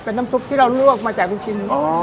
เป็นน้ำซุปที่เราลวกมาจากลูกชิ้น